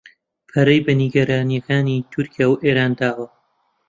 پەرەی بە نیگەرانییەکانی تورکیا و ئێران داوە